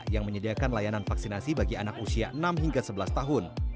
yang menyediakan layanan vaksinasi bagi anak usia enam hingga sebelas tahun